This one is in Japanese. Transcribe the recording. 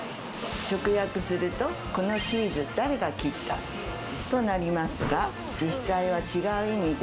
直訳するとこのチーズ誰が切ったとなりますが、実際は違う意味で